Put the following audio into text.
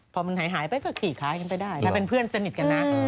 พอมันหายก็ขี่คล้ายไปได้ถ้าเป็นเพื่อนเซนต์นิตกันอะ